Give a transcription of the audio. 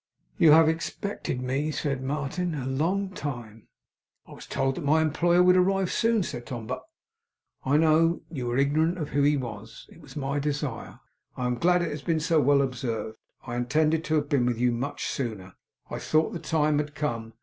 'You have expected me,' said Martin, 'a long time.' 'I was told that my employer would arrive soon,' said Tom; 'but ' 'I know. You were ignorant who he was. It was my desire. I am glad it has been so well observed. I intended to have been with you much sooner. I thought the time had come.